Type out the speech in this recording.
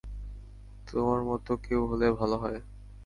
তোমার মত কেউ হলে ভাল হয়।